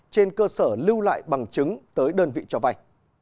trên cơ sở lưu lại bằng chứng tới đơn vị cho vay